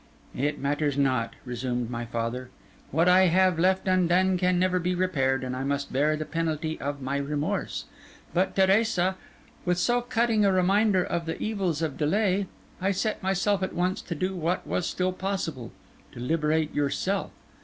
'It matters not,' resumed my father. 'What I have left undone can never be repaired, and I must bear the penalty of my remorse. But, Teresa, with so cutting a reminder of the evils of delay, I set myself at once to do what was still possible: to liberate yourself.